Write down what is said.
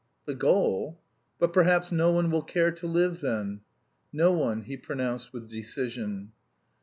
"The goal? But perhaps no one will care to live then?" "No one," he pronounced with decision.